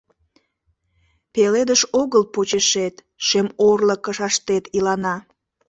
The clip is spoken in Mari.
Пеледыш огыл почешет, шем орлык кышаштет илана.